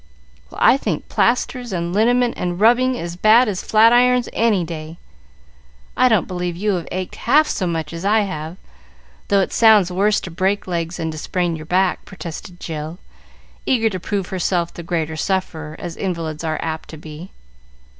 "Well, I think plasters, and liniment, and rubbing, as bad as flat irons any day. I don't believe you have ached half so much as I have, though it sounds worse to break legs than to sprain your back," protested Jill, eager to prove herself the greater sufferer, as invalids are apt to be.